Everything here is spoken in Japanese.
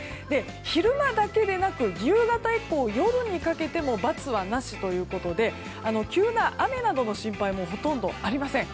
昼間だけでなく夕方以降夜にかけてもバツはなしということで急な雨などの心配もほとんどありません。